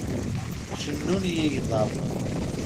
Cennun yigḍaḍ.